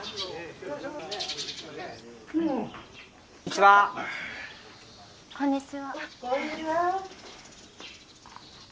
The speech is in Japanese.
あっこんにちは。